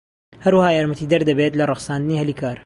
هەروەها یارمەتیدەر دەبێت لە ڕەخساندنی هەلی کار.